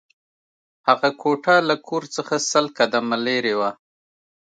هغه کوټه له کور څخه سل قدمه لېرې وه